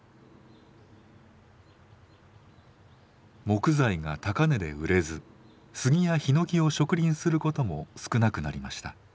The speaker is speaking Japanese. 木材が高値で売れずスギやヒノキを植林することも少なくなりました。